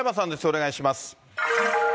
お願いします。